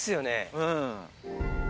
うん。